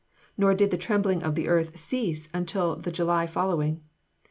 Nor did the trembling of the earth cease until the July following.